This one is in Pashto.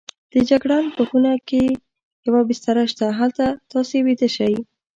د جګړن په خونه کې یوه بستره شته، هلته تاسې ویده شئ.